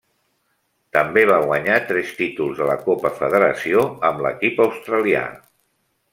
També va guanyar tres títols de la Copa Federació amb l'equip australià.